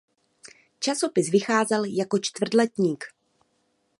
Časopis vycházel jako čtvrtletník.